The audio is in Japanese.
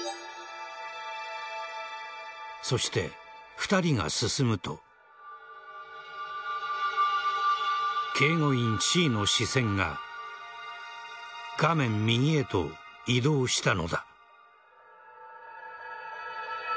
そして、２人が進むと警護員Ｃの視線が画面右へと移動したのだ。